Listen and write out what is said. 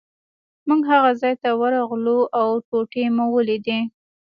موږ هغه ځای ته ورغلو او ټوټې مو ولیدې.